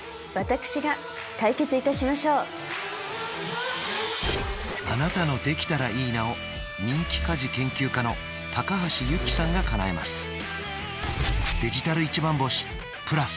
私が解決いたしましょうあなたの「できたらいいな」を人気家事研究家の橋ゆきさんがかなえます